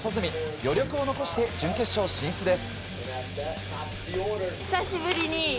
余力を残して準決勝進出です。